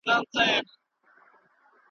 طلاق د ماشومانو پر ژوند اغېزه کوي.